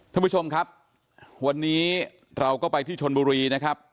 ท่านผู้ชมครับวันนี้เราก็ไปที่ชนบุรีนะครับ